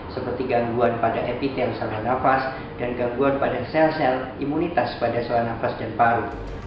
seperti gangguan pada epitel saluran nafas dan gangguan pada sel sel imunitas pada saluran nafas dan paru